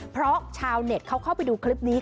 เพราะชาวเน็ตเขาเข้าไปดูคลิปนี้